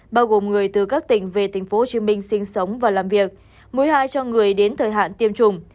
bao gồm người từ các tỉnh về tp hcm sinh sống và làm việc mối hai cho người đến thời hạn tiêm chủng